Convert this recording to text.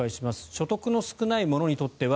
所得の少ない者にとっては